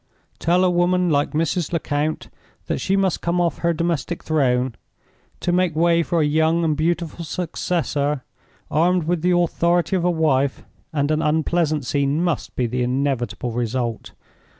Tell a woman like Mrs. Lecount that she must come off her domestic throne, to make way for a young and beautiful successor, armed with the authority of a wife, and an unpleasant scene must be the inevitable result.